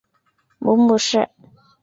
母母氏。